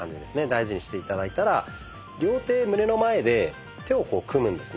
大事にして頂いたら両手胸の前で手をこう組むんですね。